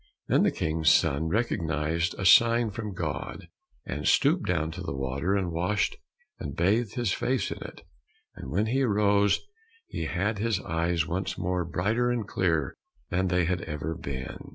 Then the King's son recognized a sign from God and stooped down to the water, and washed and bathed his face in it. And when he arose he had his eyes once more, brighter and clearer than they had ever been.